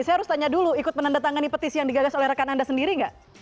saya harus tanya dulu ikut menandatangani petisi yang digagas oleh rekan anda sendiri nggak